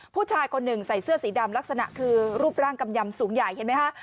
ผู้ชายคนหนึ่งใส่เสื้อสีดำลักษณะคือรูปร่างกำยำสูงใหญ่เห็นไหมฮะ